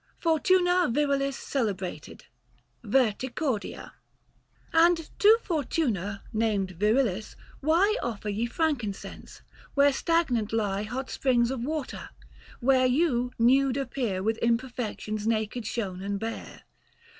FOETUNA VIEILIS CELEBEATED. VEETICOEDIA. And to Fortuna, named Virilis, why 160 Offer ye frankincense, where stagnant lie Hot springs of water ; where you nude appear With imperfections naked shown and bare.